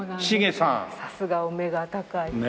さすがお目が高い。